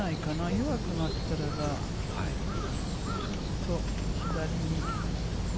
弱くなったらば、ちょっと左に。